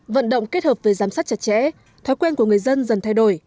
vận động kết hợp với giám sát chặt chẽ thói quen của người dân dần thay đổi